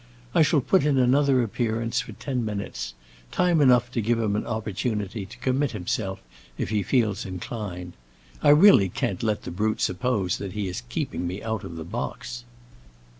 I shall put in another appearance for ten minutes—time enough to give him an opportunity to commit himself, if he feels inclined. I really can't let the brute suppose that he is keeping me out of the box."